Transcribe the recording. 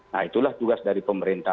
nah itulah tugas dari pemerintah